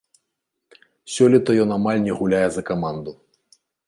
Сёлета ён амаль не гуляў за каманду.